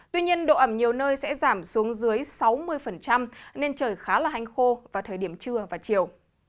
tuy nhiên độ ẩm nhiều nơi sẽ giảm xuống dưới sáu mươi nên trời khá là hanh khô vào thời điểm trưa và chiều